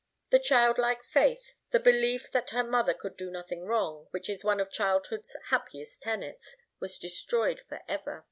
The childlike faith, the belief that her mother could do nothing wrong, which is one of childhood's happiest tenets, was destroyed forever.